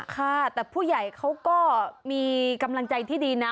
ค่ะแต่ผู้ใหญ่เขาก็มีกำลังใจที่ดีนะ